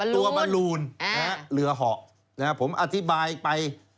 บรรลูนเรือเหาะผมอธิบายไป